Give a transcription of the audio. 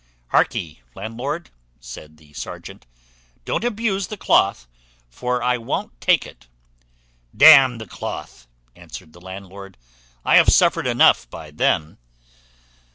"Harkee, landlord," said the serjeant, "don't abuse the cloth, for I won't take it." "D n the cloth!" answered the landlord, "I have suffered enough by them."